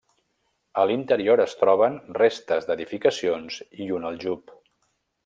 A l'interior es troben restes d'edificacions i un aljub.